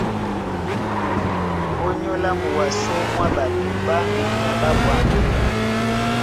Ónyólá muwasó mwá ɓato ɓá myaŋga ɓá ɓwâm.